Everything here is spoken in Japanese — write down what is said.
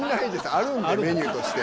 あるんですメニューとして。